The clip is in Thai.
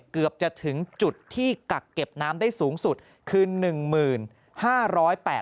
เกือบจะถึงจุดที่กักเก็บน้ำได้สูงสุดคือ๑๕๘๐บาท